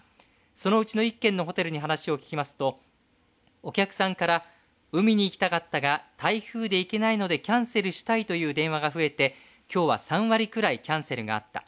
そのうちの１軒のホテルに話を聞きますとお客さんから海に行きたかったが台風で行けないのでキャンセルしたいという電話が増えてきょうは３割くらいキャンセルがあった。